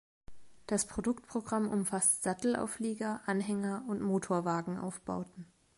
Das Produktprogramm umfasst Sattelauflieger, Anhänger und Motorwagen-Aufbauten.